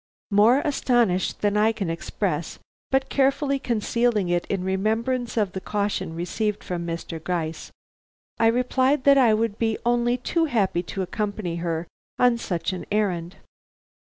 More astonished than I can express, but carefully concealing it in remembrance of the caution received from Mr. Gryce, I replied that I would be only too happy to accompany her on such an errand.